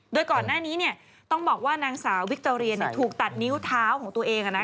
โดยก่อนหน้านี้เนี่ยต้องบอกว่านางสาววิคโตเรียถูกตัดนิ้วเท้าของตัวเอง